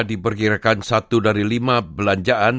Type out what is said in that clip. diperkirakan satu dari lima belanjaan